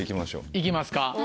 行きますか。